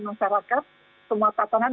masyarakat semua tatangan